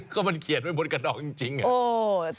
ก็มันเขียนไว้บนกระดอกจริงไง